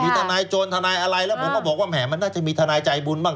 ทนายโจรทนายอะไรแล้วผมก็บอกว่าแหมมันน่าจะมีทนายใจบุญบ้าง